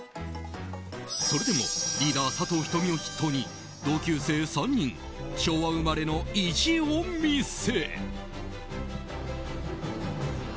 それでも、リーダー佐藤仁美を筆頭に同級生３人昭和生まれの意地を見せ。